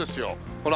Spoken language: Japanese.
ほら。